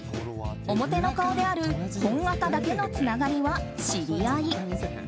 表の顔である本アカだけのつながりは知り合い。